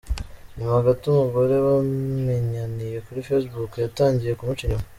Nyuma gato umugore bamenyaniye kuri Facebook yatangiye kumuca inyuma.